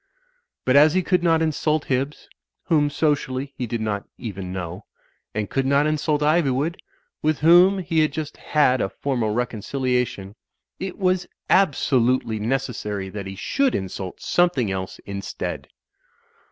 But as he could not insult Hibbs, whom socially he did not even know ; and could not insult Ivy wood, with whom he had just had a formal reconciliation, it was abso lutely necessary that he should insult something else instead.